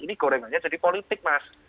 ini gorengannya jadi politik mas